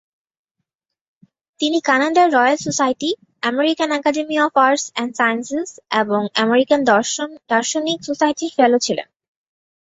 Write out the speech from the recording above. তিনি কানাডার royal society, American academy of arts and sciences এবং আমেরিকান দার্শনিক সোসাইটির ফেলো ছিলেন।